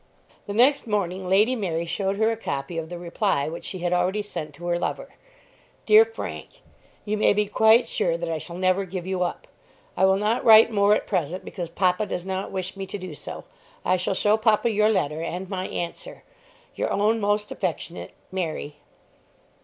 The next morning Lady Mary showed her a copy of the reply which she had already sent to her lover. DEAR FRANK, You may be quite sure that I shall never give you up. I will not write more at present because papa does not wish me to do so. I shall show papa your letter and my answer. Your own most affectionate MARY.